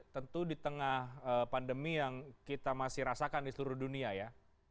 tentu di tengah pandemi yang kita masih rasakan di seluruh dunia ya